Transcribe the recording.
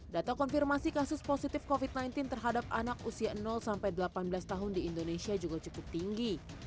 data konfirmasi kasus positif covid sembilan belas terhadap anak usia delapan belas tahun di indonesia juga cukup tinggi